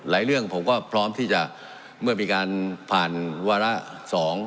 เรื่องผมก็พร้อมที่จะเมื่อมีการผ่านวาระสอง